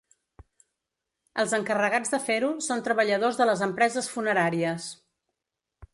Els encarregats de fer-ho són treballadors de les empreses funeràries.